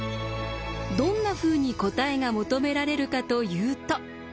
どんなふうに答えが求められるかというと。